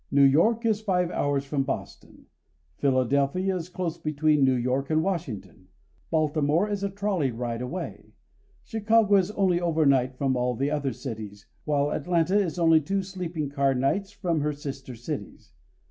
New York is five hours from Boston; Philadelphia is close between New York and Washington; Baltimore is a trolley ride away; Chicago is only overnight from all the other cities, while Atlanta is only two sleeping car nights from her sister cities.